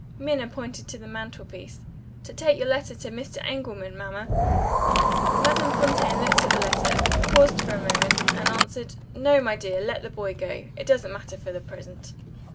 Minna pointed to the mantelpiece. "To take your letter to Mr. Engelman, mamma." Madame Fontaine looked at the letter paused for a moment and answered, "No, my dear; let the boy go. It doesn't matter for the present."